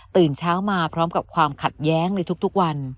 ตื่นเช้ามาพร้อมกับความขัดแย้งในทุกวัน